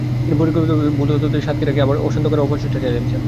তিনি পরিকল্পিতভাবে ভুল তথ্য দিয়ে সাতক্ষীরাকে আবার অশান্ত করার অপচেষ্টা চালিয়েছেন।